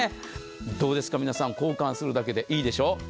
どうですか、皆さん、交換するだけでいいでしょう。